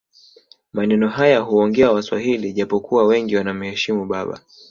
Maneno haya huongea waswahili japo kuwa wengi wanamheshimu baba